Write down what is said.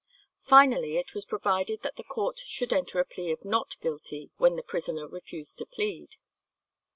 Finally, it was provided that the court should enter a plea of "Not guilty" when the prisoner refused to plead.